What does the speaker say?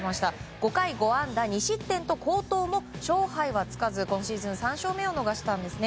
５回５安打２失点と好投も勝敗はつかず今シーズン３勝目を逃したんですね。